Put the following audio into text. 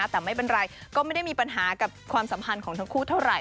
แต่ไม่เป็นไรก็ไม่ได้มีปัญหากับความสัมพันธ์ของทั้งคู่เท่าไหร